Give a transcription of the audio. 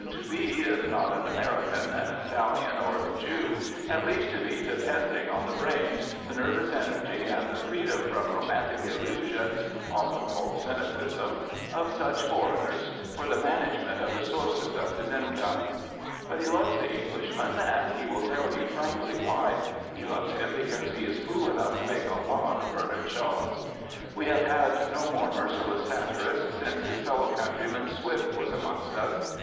to be, if not an American, an Italian, or a Jew, at least to be depending on the brains, the nervous energy, and the freedom from romantic illusions (often called cynicism) of such foreigners for the management of the sources of his income." But he loves the Englishman, and he Prophets, Priests, and Kings will tell you frankly why. He loves him because he is fool enough to make a lot of Bernard S^haw. We have had no more merciless satirist since his fellow countryman, Swift, was amongst us.